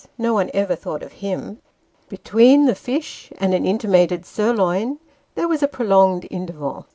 No one ever thought of him. Between the fish and an intimated sirloin, there was a prolonged interval.